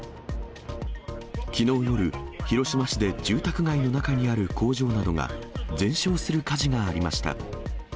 きのう夜、広島市で住宅街の中にある工場などが、全焼する火事がありました。